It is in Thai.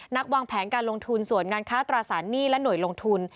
วางแผนการลงทุนส่วนงานค้าตราสารหนี้และหน่วยลงทุน